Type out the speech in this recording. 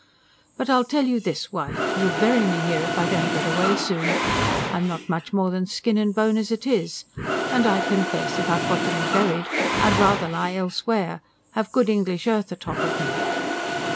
But I'll tell you this, wife. You'll bury me here, if I don't get away soon. I'm not much more than skin and bone as it is. And I confess, if I've got to be buried I'd rather lie elsewhere have good English earth atop of me."